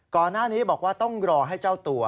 ก่อนหน้านี้บอกว่าต้องรอให้เจ้าตัว